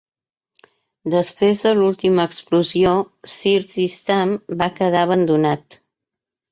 Després de l'última explosió, "Sir Tristram" va quedar abandonat.